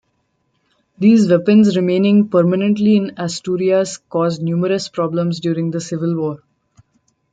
These weapons remaining permanently in Asturias caused numerous problems during the Civil War.